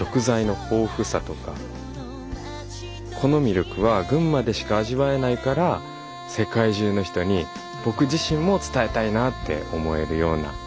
この魅力は群馬でしか味わえないから世界中の人に僕自身も伝えたいなって思えるような旅になりました。